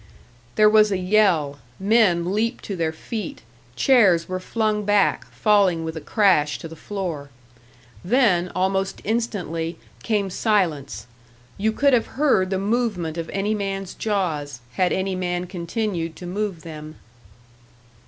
There was a yell; men leaped to their feet, chairs were flung back, falling with a crash to the floor. Then, almost instantly, came silence; you could have heard the movement of any man's jaws, had any man continued to move them.